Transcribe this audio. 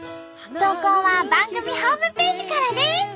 投稿は番組ホームページからです。